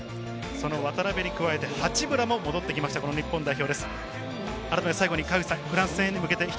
渡邊に加えて八村も戻ってきました日本代表。